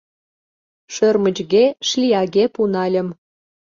Шӧрмычге-шлияге пунальым.